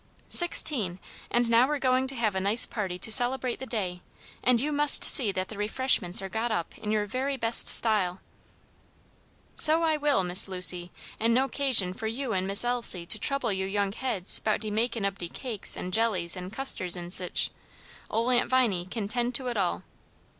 "Sixteen; and now we're going to have a nice party to celebrate the day, and you must see that the refreshments are got up in your very best style." "So I will, Miss Lucy, an' no 'casion for you and Miss Elsie to trouble yo' young heads 'bout de makin' ob de cakes an' jellies an' custards an' sich. Ole Aunt Viney can 'tend to it all."